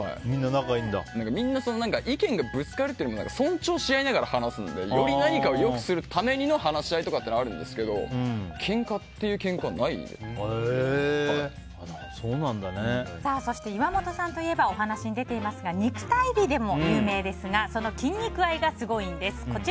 みんな意見がぶつかるというより尊重し合いながら話すのでより何かを良くするための話し合いというのはあるんですけどけんかっていうけんかはそして、岩本さんといえばお話に出ていますが肉体美でも有名ですがその筋肉愛がすごいんです。